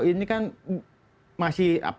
ini kan masih